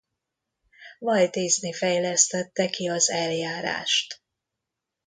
Walt Disney fejlesztette ki az eljárást.